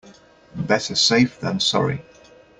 Better safe than sorry.